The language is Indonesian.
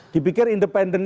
dipikir independen itu